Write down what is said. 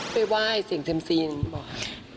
ไปไหว้เสียงเซียมซีอย่างนี้หรือเปล่า